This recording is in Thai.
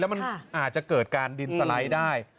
มันอาจจะเกิดการดินสไลด์ได้